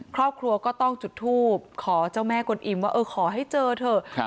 ครอบครัวก็ต้องจุดทูบขอเจ้าแม่กลอิมว่าเออขอให้เจอเถอะ